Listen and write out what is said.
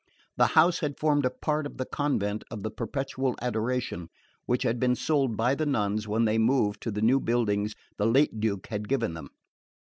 The house had formed a part of the convent of the Perpetual Adoration, which had been sold by the nuns when they moved to the new buildings the late Duke had given them.